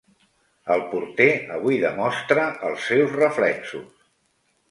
El porter avui demostra els seus reflexos.